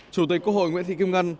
chủ tịch quốc hội nguyễn thị kim ngân